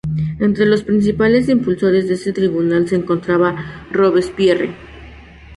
Entre los principales impulsores de este Tribunal se encontraba Robespierre.